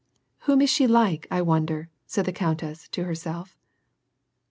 " Whom is she like, I wonder !" said the countess, to her self.